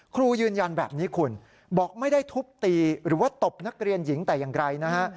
ครูยืนยันแบบนี้คุณบอกไม่ได้ทุบตีหรือว่าตบนักเรียนหญิงแต่อย่างไรนะฮะ